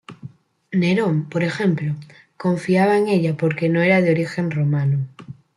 Nerón, por ejemplo, confiaba en ella porque no era de origen romano.